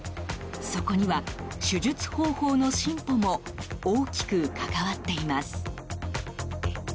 そこには手術方法の進歩も大きく関わっています。